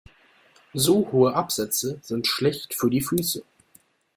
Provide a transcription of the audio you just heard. So hohe Absätze sind schlecht für die Füße.